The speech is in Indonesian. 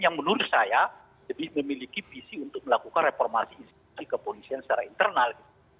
yang menurut saya lebih memiliki visi untuk melakukan reformasi institusi kepolisian secara internal